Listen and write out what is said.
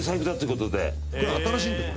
これ新しいんだよ。